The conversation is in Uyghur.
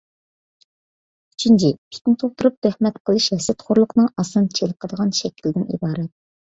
ئۈچىنچى، پىتنە تۇغدۇرۇپ، تۆھمەت قىلىش ھەسەتخورلۇقنىڭ ئاسان چېلىقىدىغان شەكلىدىن ئىبارەت.